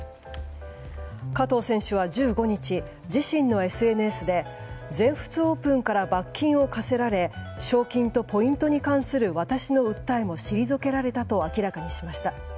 加藤選手は１５日自身のＳＮＳで全仏オープンから罰金を科せられ賞金とポイントに関する私の訴えも退けられたと明らかにしました。